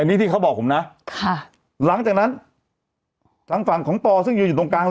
อ่าอ่าอ่าอ่าอ่าอ่าอ่าอ่าอ่าอ่าอ่าอ่าอ่าอ่าอ่าอ่าอ่าอ่าอ่า